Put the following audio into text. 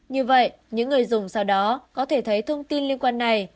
như vậy những người dùng sau đó có thể thấy thông tin liên quan này